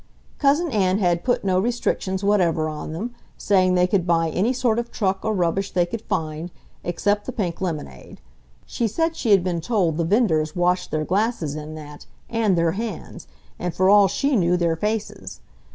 Cousin Ann had put no restrictions whatever on them, saying they could buy any sort of truck or rubbish they could find, except the pink lemonade. She said she had been told the venders washed their glasses in that, and their hands, and for all she knew their faces.